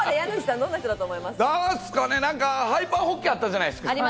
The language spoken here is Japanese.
ハイパーホッケーあったじゃないですか。